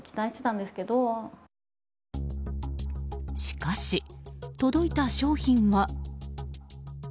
しかし、届いた商品は。